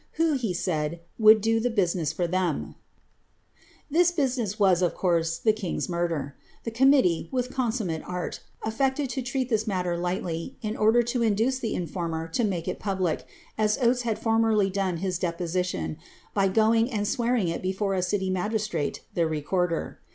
who. he sail]. woutJ do the biijiitiess for ihem/' This business was, of course, the kind's niurdor. The committee, witli consummate ari« afllected to treat this matter lightly, in order to induce the informer to make it public, as Gates iiad formerly done iiis deposition, by goiuj^ and swearing it be fore a city maj^isilrate, the recorder.